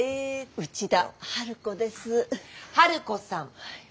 内田春子です。